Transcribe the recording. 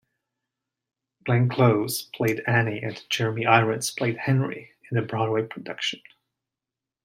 Glenn Close played Annie and Jeremy Irons played Henry in the Broadway production.